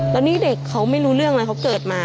แล้วนี่เด็กเขาไม่รู้เรื่องเลยเขาเกิดมา